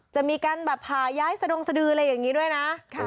จะมีการแบบผ่าย้ายสะดงสดืออะไรอย่างนี้ด้วยนะ